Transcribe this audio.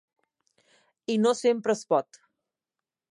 I no sempre es pot.